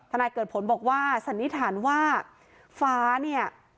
นายเกิดผลบอกว่าสันนิษฐานว่าฟ้าเนี่ย